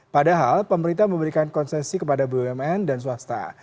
padahal pemerintah memberikan konsesi kepada bumn dan swasta